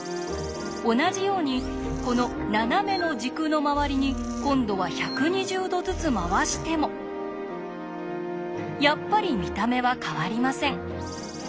同じようにこの斜めの軸の周りに今度は１２０度ずつ回してもやっぱり見た目は変わりません。